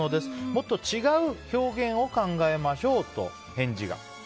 もっと違う表現を考えましょうと返事が。